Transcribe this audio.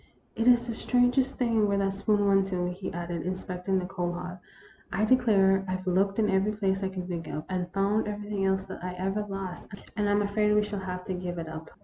It is the strangest thing where that spoon went to," he added, inspecting the coal hod. " I declare, I Ve looked in every place I can think of, and found everything else that I ever lost, and I 'm afraid we shall have to give it up."